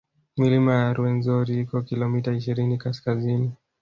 Milima ya Rwenzori iko kilomita ishirini kaskazini